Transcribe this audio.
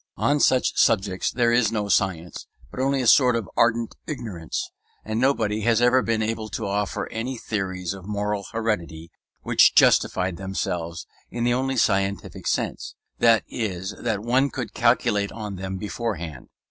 On all such subjects there is no science, but only a sort of ardent ignorance; and nobody has ever been able to offer any theories of moral heredity which justified themselves in the only scientific sense; that is that one could calculate on them beforehand.